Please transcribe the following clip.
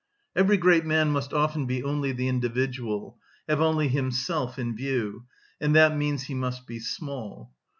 Every great man must often be only the individual, have only himself in view, and that means he must be small.